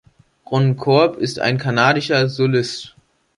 Ron Korb ist ein kanadischer Solist.